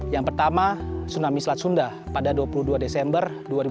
yang pertama tsunami slat sunda pada dua puluh dua desember dua ribu delapan belas